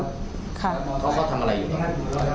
เขาก็ทำอะไรอยู่